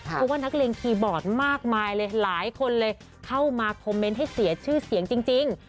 เพราะว่านักเลงคีย์บอร์ดมากมายเลยหลายคนเลยเข้ามาคอมเมนต์ให้เสียชื่อเสียงจริง